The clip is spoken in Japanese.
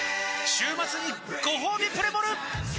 週末にごほうびプレモル！